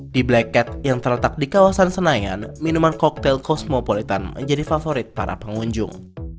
di black cat yang terletak di kawasan senayan minuman cocktail cosmopolitan menjadi favorit para pengunjung